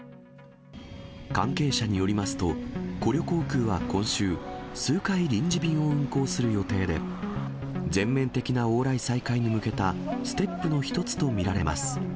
関係者によりますと、コリョ航空は今週、数回臨時便を運航する予定で、全面的な往来再開に向けたステップの一つと見られます。